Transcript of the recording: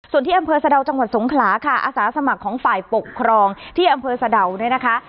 ส่วนที่อำเภอสะดาวจังหวัดสงขลาค่ะอาสาสมัครของฝ่ายปกครองที่อำเภอสะดาวเนี่ยนะคะ